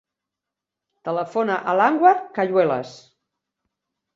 Telefona a l'Anwar Cayuelas.